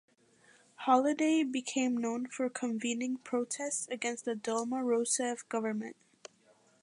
Holiday became known for convening protests against the Dilma Rousseff government.